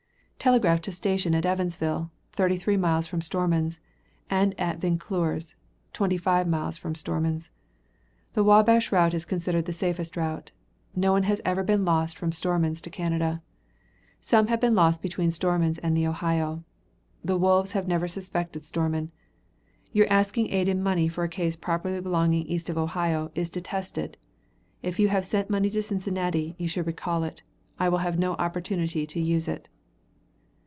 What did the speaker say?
Telegraphed to station at Evansville, thirty three miles from Stormon's, and at Vinclure's, twenty five miles from Stormon's. The Wabash route is considered the safest route. No one has ever been lost from Stormon's to Canada. Some have been lost between Stormon's and the Ohio. The wolves have never suspected Stormon. Your asking aid in money for a case properly belonging east of Ohio, is detested. If you have sent money to Cincinnati, you should recall it. I will have no opportunity to use it.